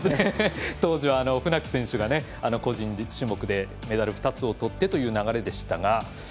当時は船木選手が個人種目でメダル２つをとってという流れでしたが。